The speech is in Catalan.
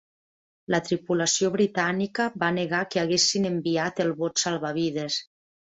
La tripulació britànica va negar que haguessin enviat el bot salvavides.